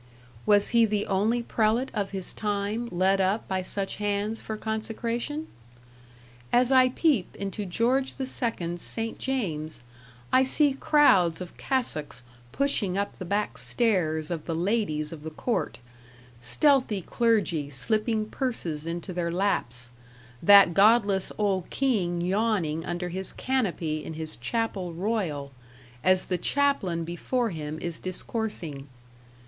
Was he the only prelate of his time led up by such hands for consecration? As I peep into George II's St. James, I see crowds of cassocks pushing up the back stairs of the ladies of the court; stealthy clergy slipping purses into their laps; that godless old king yawning under his canopy in his Chapel Royal, as the chaplain before him is discoursing.